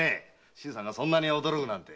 新さんがそんなに驚くなんて。